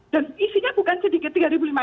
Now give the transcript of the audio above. dan isinya bukan sedikit tiga lima ratus